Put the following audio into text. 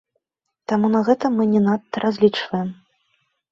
Таму на гэта мы не надта разлічваем.